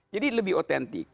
jadi lebih otentik